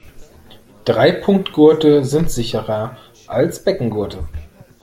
Dreipunktgurte sind sicherer als Beckengurte.